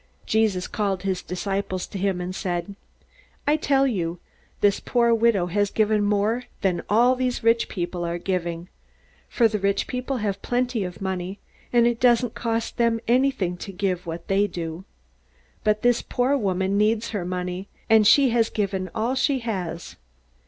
Jesus called his disciples to him, and said: "I tell you, this poor widow has given more than all these rich people are giving. For the rich have plenty of money, and it doesn't cost them anything to give what they do. But this poor woman needs her money, and she has given all she has."